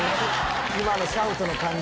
今のシャウトの感じ。